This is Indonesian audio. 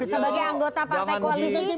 sebagai anggota partai koalisi